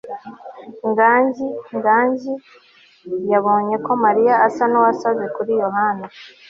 nganji] nganji yabonye ko mariya asa nkuwasaze kuri yohana